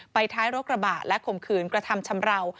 ท้ายรถกระบะและข่มขืนกระทำชำราว